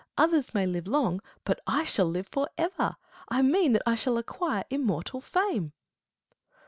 Others may live long, but I shall live for ever. I mean that I shall acquire immortal fame. Met.